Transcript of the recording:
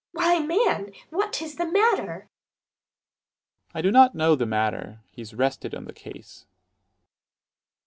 _ Why, man, what is the matter? Dro. S. I do not know the matter: he is 'rested on the case.